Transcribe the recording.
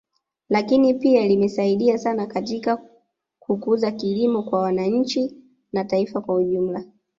Lakini pia limesaidia sana katika kukuza kilimo kwa wananchi na taifa kwa ujumla